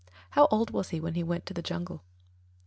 _How old was he when he went to the jungle?